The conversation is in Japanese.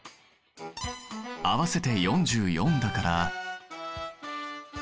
合わせて４４だから。